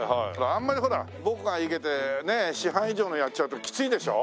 あんまりほら僕が生けてね師範以上のやっちゃうときついでしょ？